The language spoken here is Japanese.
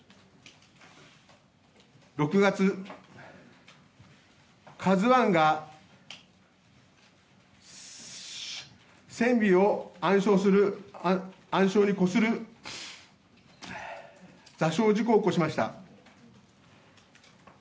６月、「ＫＡＺＵ１」が船尾を暗礁にこする座礁事故を起こしました。